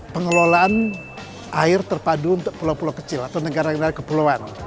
pengelolaan air terpadu untuk pulau pulau kecil atau negara negara kepulauan